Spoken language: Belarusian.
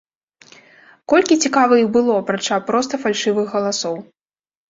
Колькі, цікава, іх было, апрача проста фальшывых галасоў?